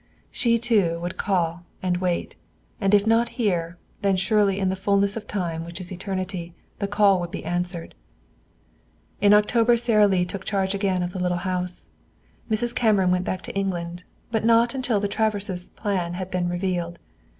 She, too, would call and wait, and if not here, then surely in the fullness of time which is eternity the call would be answered. In October Sara Lee took charge again of the little house. Mrs. Cameron went back to England, but not until the Traverses' plan had been revealed.